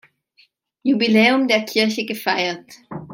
Jubiläum der Kirche gefeiert.